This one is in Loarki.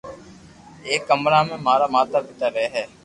ايڪ ڪمرا مي مارا ماتا پيتا رھي ھي